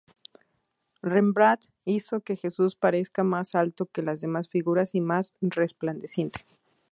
Rembrandt hizo que Jesús parezca más alto que las demás figuras, y más resplandeciente.